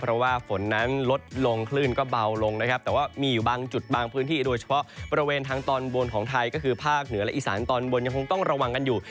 เพราะว่าฝนนั้นลดลงคลื่นก็เบาลงนะครับแต่ว่ามีอยู่บางจุดบางพื้นที่โดยเฉพาะบริเวณทางตอนบนของไทยก็คือภาคเหนือและอีสานตอนบนยังคงต้องระวังกันอยู่